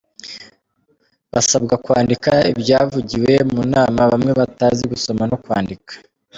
Basabwa kwandika ibyavugiwe mu nama, bamwe batazi gusoma no kwandika